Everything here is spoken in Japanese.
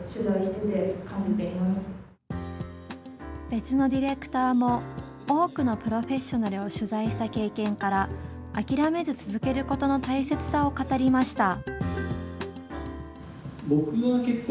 別のディレクターも多くのプロフェッショナルを取材した経験から諦めず続けることの大切さを語りました。